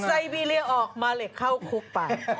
ไซบีเรียออกมาเหล็กเข้าคุกไป